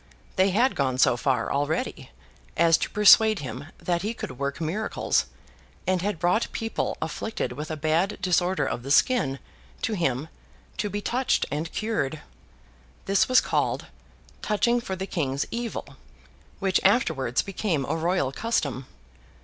They had gone so far, already, as to persuade him that he could work miracles; and had brought people afflicted with a bad disorder of the skin, to him, to be touched and cured. This was called 'touching for the King's Evil,' which afterwards became a royal custom.